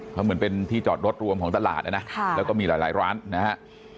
เขาเหมือนเป็นที่จอดรถรวมของตลาดนะนะแล้วก็มีหลายร้านนะฮะ